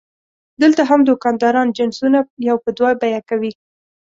دلته هم دوکانداران جنسونه یو په دوه بیه کوي.